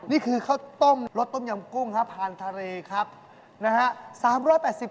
นี่คือข้าวต้มรสต้มยำกุ้งภาณทะเลครับ